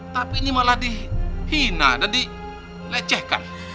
tapi ini malah dihina dan dilecehkan